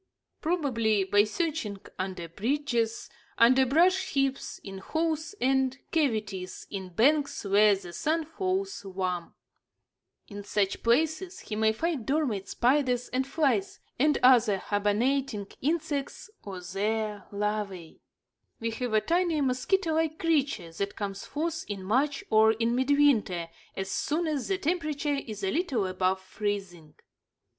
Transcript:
Probably by searching under bridges, under brush heaps, in holes and cavities in banks where the sun falls warm. In such places he may find dormant spiders and flies and other hibernating insects or their larvæ. We have a tiny, mosquito like creature that comes forth in March or in midwinter, as soon as the temperature is a little above freezing.